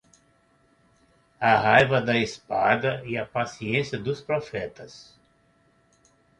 A raiva da espada e a paciência dos profetas